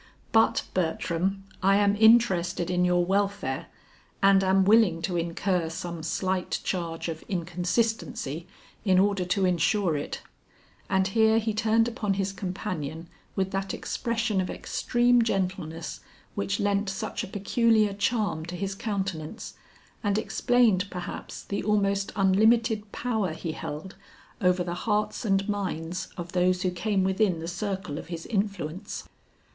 But Bertram, I am interested in your welfare and am willing to incur some slight charge of inconsistency in order to insure it," and here he turned upon his companion with that expression of extreme gentleness which lent such a peculiar charm to his countenance and explained perhaps the almost unlimited power he held over the hearts and minds of those who came within the circle of his influence.